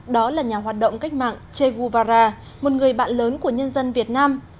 đó là nhà hoạt động cách mạng che guvara một người bạn lớn của nhân dân việt nam